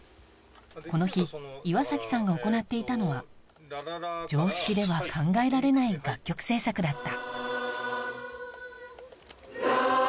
この日岩崎さんが行っていたのは常識では考えられない楽曲制作だった